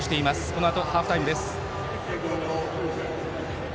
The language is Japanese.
このあとハーフタイムです。